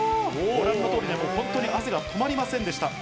ご覧の通り、汗が止まりませんでした。